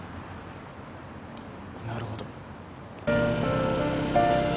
なるほど。